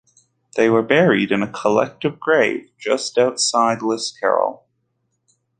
They were buried in a collective grave just outside Liscarroll.